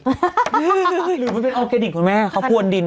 หรือมันเป็นออร์แกนิคคุณแม่เขาพวนดิน